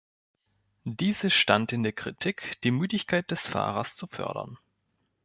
Diese stand in der Kritik, die Müdigkeit des Fahrers zu fördern.